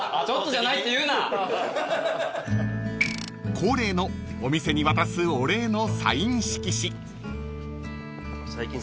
［恒例のお店に渡すお礼のサイン色紙］